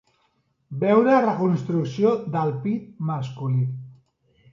Veure reconstrucció del pit masculí.